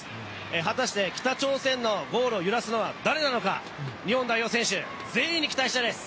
果たして北朝鮮のゴールを揺らすのは誰なのか、日本代表選手、全員に期待したいです。